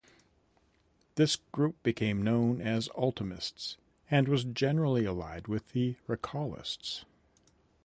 This group became known as "ultimatists" and was generally allied with the recallists.